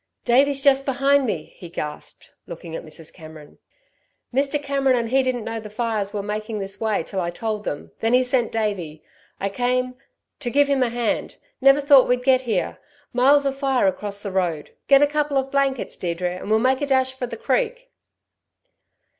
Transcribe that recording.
"Davey's just behind me!" he gasped, looking at Mrs. Cameron. "Mr. Cameron and he didn't know the fires were making this way till I told them; then he sent Davey. I came ... to give him a hand. Never thought we'd get here miles of fire across the road. Get a couple of blankets, Deirdre, and we'll make a dash for the creek."